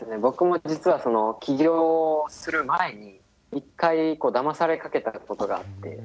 僕も実は起業する前に１回だまされかけたことがあって。